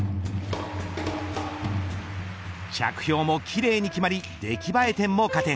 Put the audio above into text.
着氷も奇麗に決まり出来栄え点も加点。